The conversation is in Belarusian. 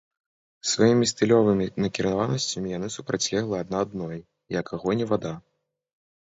Сваімі стылёвымі накіраванасцямі яны супрацьлеглы адна адной, як агонь і вада.